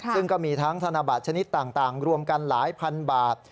ซึ่งก็มีทั้งธนบัตรชนิดต่างรวมกันหลายพันบาท